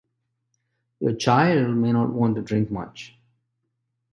Your child may not want to drink much.